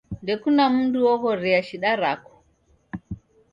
Ndekuna mundu oghorea shida rako?